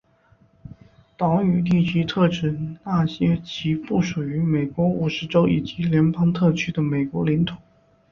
岛屿地区特指那些其不属于美国五十州以及联邦特区的美国领土。